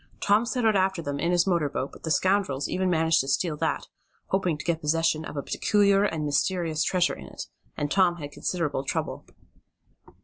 Tom set out after them in his motor boat, but the scoundrels even managed to steal that, hoping to get possession of a peculiar and mysterious treasure in it, and Tom had considerable trouble.